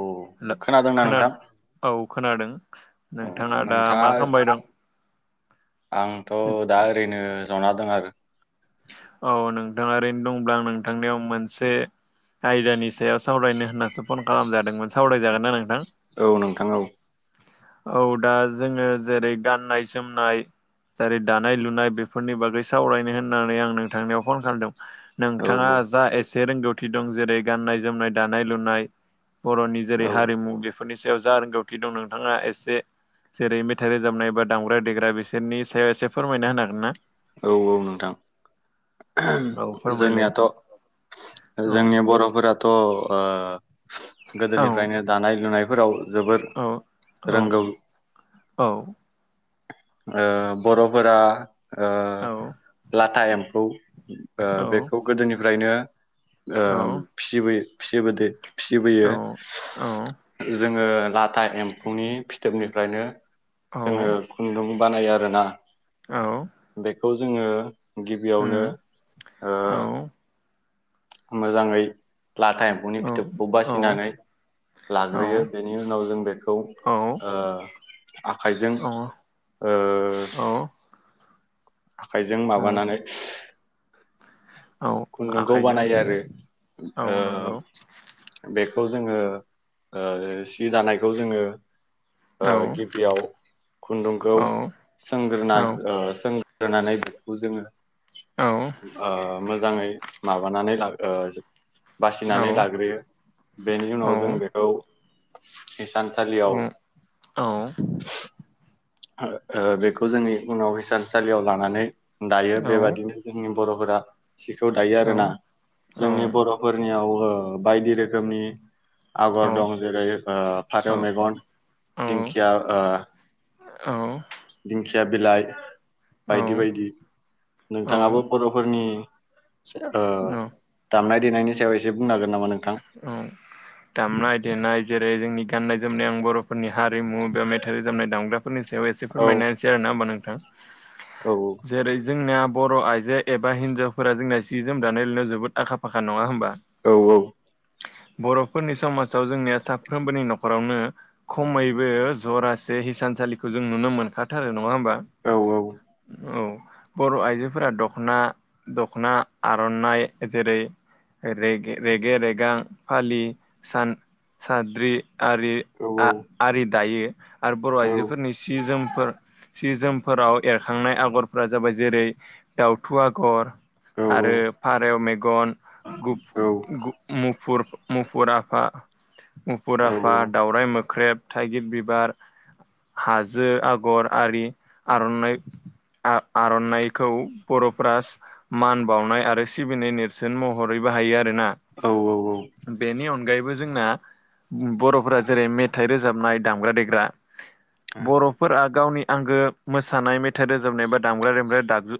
औ खोनादोंना खोना नोंथां औ। खोनादों औ नोंथांङा दा नोंथाङा मा खामबाय दं। आंथ' दा ओरैनो जना दं आरो। औ नोंथांङा ओरैनो दंब्ला आं नोंथांनियाव मोनसे। आयदानि सायाव सावरायनो होननासो फन खालामजादोंमोन सावरायजागोन ना नोंथां औ नोंथां औ औ दा जोंङो जेरै गाननाय जोमनाय जेरै दानाय - लुनाय बेफोरनि बागै सावरायनो होननानै आं नोंथांनिाव फन खालामदों औ नोंथांङा जा एसे रोंगौथि दं जेरै गाननाय जोमनाय दानाय लुनाय बर'नि जेरै औ हारिमु बेफोरनि सायाव जा रोंगौथि दं नोंथांङा एसे एसे जेरै मेथाइ रोजाबनाय ए बा दामग्रा देग्रा बिसोरनि सायाव एसे फोरमायना होनो हागोन ना औ - औ नोंथां औ फोरमायलाय जोंनियाथ' औ जोंनि बर'फोराथ' औ गोदोनिफ्रायनो दानाय लुनायफोराव जोबोर औ औ रोंगौ, औ ओ बर'फोरा औ लाथा एम्फौ बेखौ गोदोनिफ्रायनो औ फिसिबोयो जों औ औ जोंङो लाथा एम्फौनि फिथोबनिफ्रायनो जोंङो खुन्दुं बानायो आरोना औ, बे खौ जोंङो गिबियावनो उम औ मोजाङै लाथा एम्फौनि औ फिथोबखौ बासिनानै औ लाग्रोयो बेनि उनाव जों बेखौ ओ आखाइजों औ ओ, औ आखाइजों औ माबानानै औ, खुन्दुंखौ आखाइजों बानायो आरो औ ओ नंगौ बे खौ जोङो ओइ सि दानायखौ जोङो औ ओ गिबियाव खुन्दुंखौ औ सोंग्रोना औ सों होनानै बेखौ ओ जोङो औ मोजाङै माबानानै लागोन ओ बासिनानै लाग्रोयो बेनि उनाव जों बेखौ हिसानसालियाव ओ बेखौ जोंनि उनाव हिसानसालियाव लानानै दायो औ बेबादिनो जोंनि बर'फोरा सिखौ दायो आरोना। औ जोंनि औ औ बर'फोरनियाव ओ बायदि रोखोमनि आगर दं जेरै ओ फारौ मेगन दिंखिया ओ औ, दिंखिया बिलाइ बायदि बायदि नोंथाङाबो बर'फोरनि ओ दामनाय देनायनि सायाव एसे बुंन हांगोन, औ दामनाय देनाय जेरै जोंनि गाननाय जोमनाय आं बर' फोरनि हारिमु बा मेथाइ रोजाबनाय दामग्राफोरनि सायाव एसे औ फोरमायनाहोनोसै आरो ना होनबा नोंथां। जेरै जोंनिया बर' आइजो एबा हिन्जावफोरा जोंना सि जोम दानाय लुनायाव जोबोद आखा फाख नङा होमबा? औ औ, बर'फोरनि समाजाव जोंनिया साफ्रोमबोनि न'खरावनो खमैबो जरासे हिसानसालिखौ जों नुनो मोनखाथारो नङा होमबा औ औ बर' आइजोफोरा दख'ना दख'ना आर'नाइ जेरै, रेगे रेगां गां फालि सान साद्रि, आरि औ आ दायो। आरो बर' औ आइजोफोरनि सि जोमफोर जि जोमफोराव एरखांनाय आगरफोरा जाबाय जेरै, दावथु आगर औ आरो फारेव मेगन गु मुफुर औ आफा दाावराय मोख्रेब थाइगिर बिबार हाजो आगर आरि आर'नाइ आर'नाइखौ बर'फ्रा मान बावनाय आरो सिबिनाय नेरसोन महरै बाहायो आरोना औ औ बेनि अनगायैबो जोंना बर'फोरा जेरै मेथाइ रोज रोजाबनाय दामग्रा देग्रा औ बर'फोरा गावनि आंगो मोसानाय मेथाइ रोजाबनाय बा दामग्रा देग्रा दागजु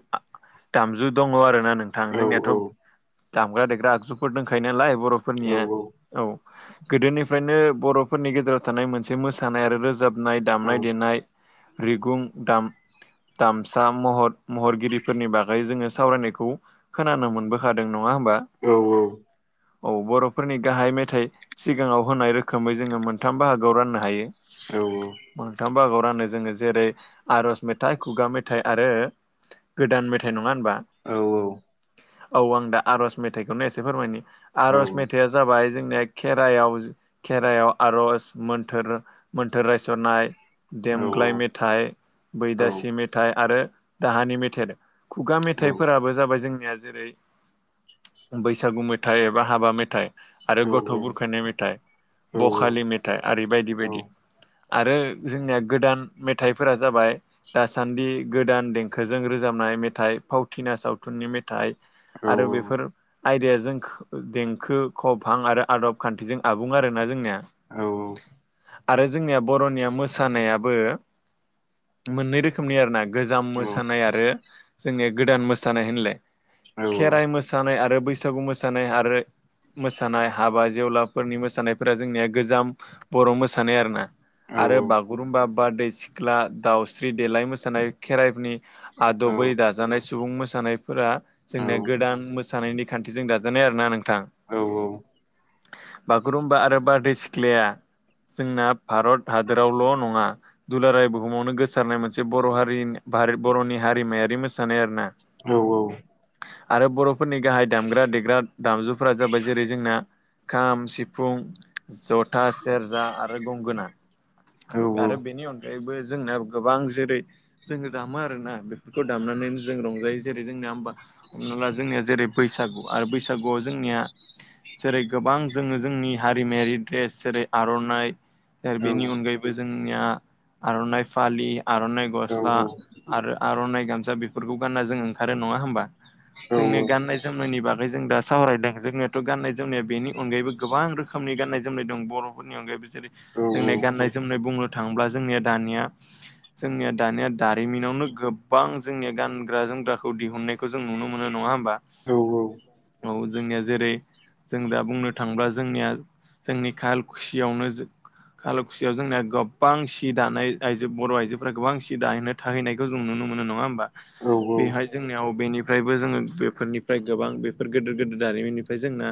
दामजु दङ आरो ना नोंथां औ औ जोंनाथ' दामग्रा देग्रा आगजुफोर दोंखायो नालाय औ बरफोरनिया औ गोदोनिफ्रायनो बर'फोरनि गेजेराव थानाय मोनसे मोसानाय आरो रोजाबनाय दामनाय देनाय रिगुं दाम दामसा महर महरगिरिफोरनि बागै जोङो सावरायनायखौ खोनानो मोनबोखादों। नङा होमबा औ औ, औ बर'फोरनि गाहाय मेथाइ सिगाङाव होनाय रोखोमै जोङो मोनथाम बाहागोआव राननो हायो। औ औ बागाव रानो जोङो जेरै आर'ज मेथाइ, खुगा मेथाइ, आरो गोदान मेथाइ न ङा होनबा! औ औ आं दा आर'ज मेथाइखौनो एसे फोरमायनि आर'ज मेथाइआ जाबाय जोंनिया खेरायाव खेरायाव आर'ज मोन्थोर मोन्थोर रायसननाय देमग्लाय मेथाइ, बैदासि मेथाइ, आरो दाहानि मेथाइ खुगा मेथाइफोराबो जाबाय जोंनिया जेरै- बैसागु मेथाइ एबा हाबा मेथाइ आरो ग'थ बुरखायनाय, मेथाइ बखालि मेथाइ आरि बायदि बायदि आरो जोंनिया गोदान मेथाइफोरा जाबाय दासान्दि गोदान देंखोजों रोजाबनाय मेथाइ फावथिनाय सावथुननि मेथाइ आरो बेफोर आयदाया जोंख देंखो खभां आरो आदब खान्थिजों आबुं आरोना जोंनिया औ औ आरो जोंनिया बर'निया मोसानायाबो मोननै रोखोमनि आरोना गोजाम मोसानाय आरो जोंनिया गोदान मोसानाय होनलाय। खेराइ मोसानाय आरो बैसागु मोसानाय आरो मोसानाय हाबा जेवलाफोरनि मोसानायफोरा जोंनिया गोजाम बर' मोसानाय आरोना। आरो बागुरुम्बा, बारदै सिख्ला, दाावस्रि देलाय मोसानाय खेराइफोरनि आदबै दाजानाय सुबुं मोसानायफोरा औ जोंनिया गोदान मोसानायनि खान्थिजों दाजानाय आरोना नोंथां ।बागुरुम्बा आरो बारदै सि ख्लाया जोंना भारत हादोरावल नङा दुलाराय बुहुमावनो गोसारनाय मोनसे बर' हारिनि भारत बरनि हारिमायारि मोसानाय आरो ना। औ औ आरो बरफोरनि गाहाय दामग्रा देग्रा दामजुफोरा जाबाय जेरै - जोंना खाम, सिफुं जथा, सेरजा आरो गंगोना आरो बेनि अनगायैबो जोंना गोबां जेरै जोङो दामो आरोना। बेफोरखौ दामनानैनो जों रंजायो जेरै जोंनिया हबा हमना ला जोंनिया जेरै बैसागु आरो बैसागुआव जोंनिया जेरै- गोबां जोङो जोंनि हारिमायारि द्रेस जेरै आरनाइ दा बेनि अनगायैबो जोंनिया आरनाइ फालि आरनाइ गस्ला आरो आरनाइ गामसा बेफोरखौ गानना जों ओंखारो नङा होमबा जोंनि गाननाय नायनि बागै जों दा सावरायदों। जोंनियाथ गाननाय जोमनाया बेनि अनगायैबो गोबां रोखोमनि गाननाय जोमनाय दं बर' फोरनि अनगायैबो जै जोंनि गाननाय जोमनाय बुंनो थाङोब्ला जोंनि दानिया जोंनिया दानिया दारिमिनावनो गोबां जोंनिया गानग्रा जोमग्राखौ दिहुननायखौ जों नुनो मोनो नङा होमबा! औ जोंनिया जेरै- जों दा बुंनो थांङोब्ला जोंनिया जोंनि खाल खुसियावनो काल खुसियाव जोंनिया गोबां सि दानाय आइजो बर' आइजोफोरा गोबां सि दाहैनो थाहैनायखौ जों नुनो मोनो नङा होमबा! बेहाय जोंनियाव बेनिफ्रायबो जोङो फोरनिफ्राय गोबां बेफोर गिदिर गोेदिर दारिमिननिफ्राय जोंना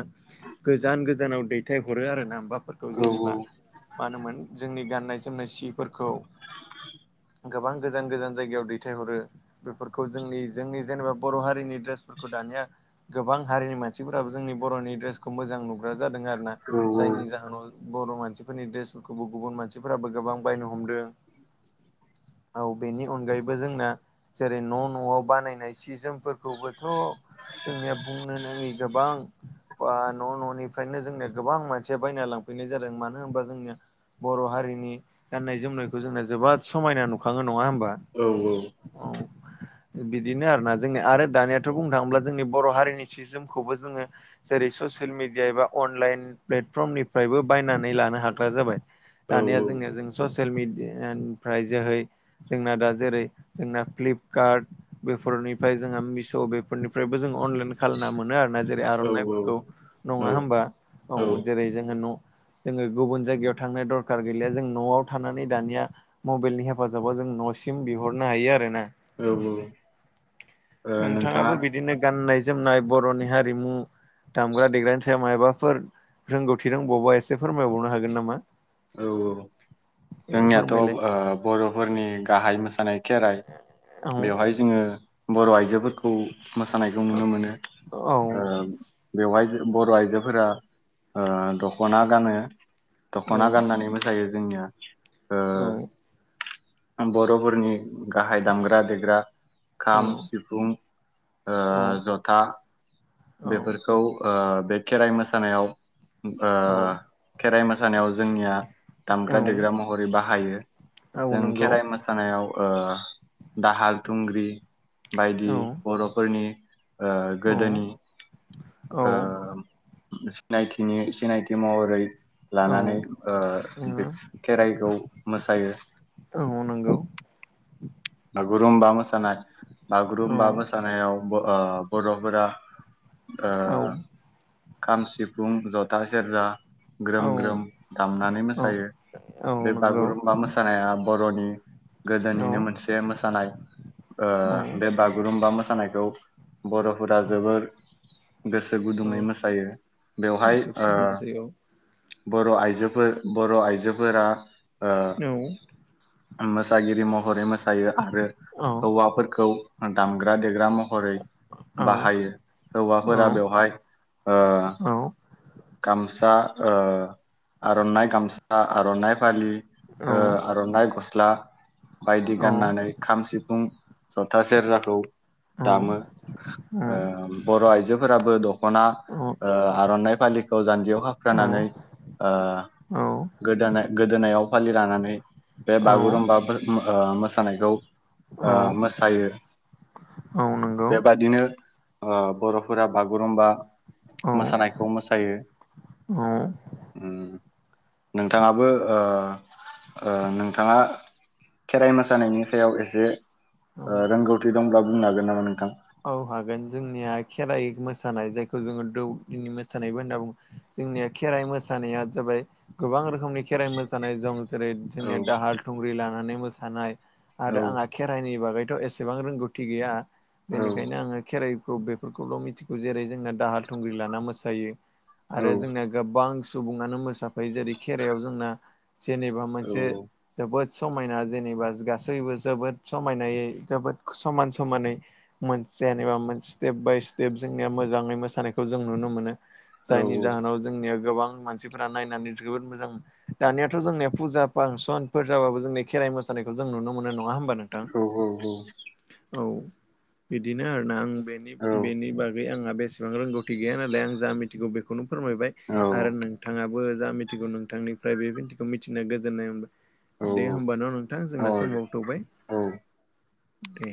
गोजान गोजानाव दैथाय हरो आरो ना माबाफोरखौ जेनेबा मा होनोमोन जोंनि गाननाय जोमनाय सिफोरखौ गोबां गोजान गोजान जायगायाव दैथायहरो। बेफोरखौ जोंनि जोंनि जेनेबा बर' हारिनि ड्रेस दानिया गोबां हारिनि मानसिफोराबो जोंनि बरनि ड्रेसखौ मोजां नुग्रा जादों आरो ना। जाय जायनि जाहोनाव बर मानसिफोरनि द्रेसफोरखौबो गुबुन मानसिफोराबो गोबां बायनो हमदों औ बेनि अनगायैबो जोंना जेरै न' न'आव बानायनाय सि जोमफोरखौबो थ जोंनिया बुंनो नाङि गोबां बा न' न'निफ्रायनो जोंनिया गोबां मानसिया बायना लांफैनाय जादों मानो होनबा जोंनिया बर' हारिनि गाननाय जोमनायखौ जोंना जोबाद समायना नुखाङो नङा होमबा औ औ बिदिनो आरोना जोंनिया आरो दानिया थ' बुंनो थाङोब्ला जोंनि बर' हारिनि सि जोमखौबो जोङो जेरै ससियेल मिडिया एबा अनलाइन प्लेट फ्रमनिफ्रायबो बायनानै लानो हाग्रा जाबाय दानिया जोंनिया जोंनि सस सियेल मिडियानिफ्राय जोहै जोंना दा जेरै जोंना फ्लिपकार्ट बेफोर निफाय जोंहा मिस' बेफोरनिफ्रायबो जों अनलाइन खालामना मोनो आरोना जेरै आर'नाइफोरखौ नङा होमबा औ जेरै जोङो न' जोङो गुबुन जायगायाव थांनो दरखार गैलिया जों न'आव थानानै दानिया मबेलनि हेफाजाबाव जों न' न'सिम बिहरनो हायो आरोना। औ औ ओ। नोंथाङाबो बिदिनो गाननाय जोमनाय बर'नि हारिमु दामग्रा देग्रानि सायाव मायबा फोर रोंगौथि दंबावोबा एसे फोरमायबावनो हागोन नामा? औ औ औ जोंनियाथ' ओ फोरमायलाय बर'फोरनि गाहाय मोसानाय खेराइ औ बेवहाय जोङो बर' आइजोफोरखौ मोसानायखौ नुनो मोनो औ ओ बेवहाय जो बर' आइजोफोरा ओ दख'ना गानो। औ दख'ना गाननानै मोसायो जोंनिया ओ औ ओम बर'फोरनि गाहाय दामग्रा देग्रा औ खाम सिफुं ओ ज'था औ बेफोरखौ ओ बे खेराइ मोसानायाव ओ खेराइ मोसानायाव जोंनिया औ दामग्रा देग्रा महरै बाहायो औ जों नंगौ खेराइ मोसानायाव ओ दाहाल थुंग्रि बायदि औ बर'फोरनि ओ औ गोदोनि औ ओ सिनायथिनि सिनायथि महरै औ लानानै ओ बे खेराइखौ मोसायो। औ नंगौ गुरुम्बा मोसानाय औ बागुरुम्बा मोसानायावबो ओ बर'फोरा ओ औ खाम सिफुं ज'था सेरजा ग्रोम औ ग्रोम दामनानै मोसायो बे औ नंगौ बागुरुमबा मोसानाया बर'नि औ गोदोनिनो मोनस मोसानाय ओ औ बे बागुरुम्बा मोसानायखौ बर'फोरा जोबोर गोसो गुदुङै औ मोसायो बेवहाय गोसो ओ खुसिजों मोसायो बर' आइजोफोर बर' आइजोफोरा औ ओ मोसागिरि महरै मोस सायो आरो औ हौवाफोरखौ दामग्रा देग्रा म हरै औ औ बाहायो हौवाफोरा बेवहाय ओ गामसा ओ आर'नाइ गामसा आर'नाइ फालि ओ आर'नाइ गस्ला बायदि गाननानै खाम सिफुं ज'था सेरजाखौ दामो ओ बर' आइजोफोराबो दख'ना ओ आर'नाइ फालिखौ जान्जियाव खाफ्रानानै ओ गोदानै गोदोनायाव फालि लानानै बे बागुरुम्बाफोर मो सानायखौ ओ मोसायो नंगौ बेबादिनो ओ बर'फोरा बागुरुम्बा मोसानायखौ मोसायो। उम उम नोंथाङाबो ओ ओ नोंथाङा खेराइ मोसानायनि सायाव एसे औ ओ रोंगौथि दंब्ला बुंनो हागोन नामा नोंथां? औ हागोन जोंनिया खेराइ मोसानाय जायखौ जोङो दौदिनि मोसानायबो होनना बु जोंनिया खेराइ मोसानाया जाबाय गोबां रोखोमनि खेराइ मोसानाय दं जेरै औ जोंनिया दाहाल थुंग्रि लानानै मोसानाय औ आरो आंहा खेराइनि बागै थ एसेबां रोंगौथि गैया औ बेनिखायनो आङो खेराइ खौ बेफोरखौल मिथिगौ जेरै जोंना दाहाल थुंग्रि लाना मोसायो औ आरो जोंना गोबां सुबुङनो मोसाफायो जेरै खेरायाव जोंना जेनेबा मोनसे औ जोबोद समायना जेनेबा गासैबो जोबोद समायनायै जोबोद समान समानै मोनसे जेनेबा मोन स्टेप बाय स्टेप जोंनिया मोजाङै मोसानायखौ जों नुनो मोनो औ जायनि जाहोनाव जोंनिया गोबां मानसिफोरा नायनानै जोबोद मोजां दानियाथ' जोंनिया फुजा फांसनफोर जाबाबो जोंनि खेरा मोसानायखौ जों नुनो मोनो नङा होमबा नोंथां। औ बिदिनो आरोना आं नि औ बेनि बागै आंहा बेसेबां रोंगौथि गैया नालाय आं जा मिथिगौ बेखौनो फोरमायबाय औ आरो नोंथाङाबो जा मिथिगौ नोंथांनिफ्राय बेबायदिखौ मिथिनो गोजोननाय औ मोनबाय। दे औ होमबान' नोंथां जोंना औ समावबो थौबाय। औ दे